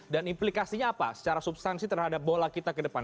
dan implikasinya apa secara substansi terhadap bola kita ke depan